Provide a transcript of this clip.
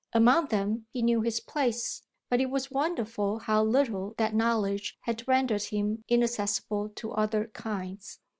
Among them he knew his place; but it was wonderful how little that knowledge had rendered him inaccessible to other kinds.